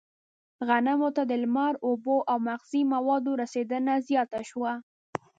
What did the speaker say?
غنمو ته د لمر، اوبو او مغذي موادو رسېدنه زیاته شوه.